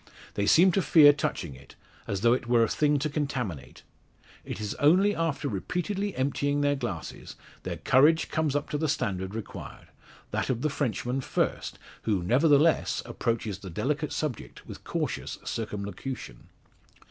They seem to fear touching it, as though it were a thing to contaminate. It is only after repeatedly emptying their glasses, their courage comes up to the standard required; that of the Frenchman first; who, nevertheless, approaches the delicate subject with cautious circumlocution.